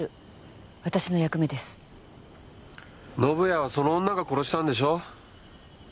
宣也はその女が殺したんでしょ？